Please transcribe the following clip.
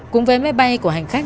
cung vé máy bay của hành khách